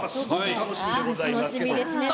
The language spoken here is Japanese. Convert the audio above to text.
楽しみですね。